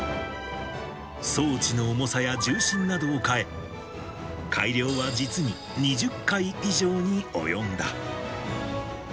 装置の重さや重心などを変え、改良は実に２０回以上に及んだ。